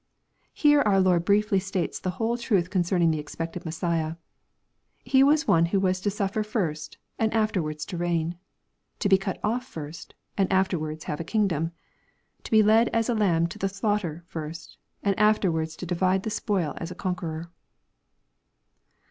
] Here our Lord briefly states the whole truth concerning the expected Messiah. He was one who was to suflfer first and afterwards to reign, — to be cut oflf first and after wards have a kingdom, — to be led as a lamb to the slaughter first, and afterwards to divide the spoil as a conqueror.